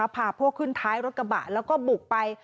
พาพวกขึ้นท้ายรถกระบะแล้วก็บุกไป